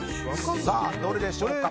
さあ、どれでしょうか？